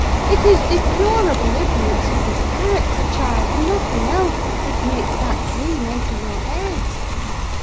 It is deplorable ignorance of his character, child, and nothing else, which makes that dream enter your head.